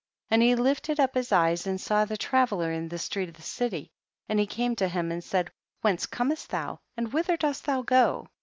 20. And he lifted up his eyes and saw the traveller in the street of the city, and he came to him and said, whence comest thou and whither dost thou go?